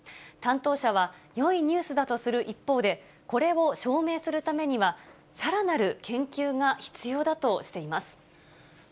担当者は、よいニュースだとする一方で、これを証明するためには、さらなる研究が必要だとしています。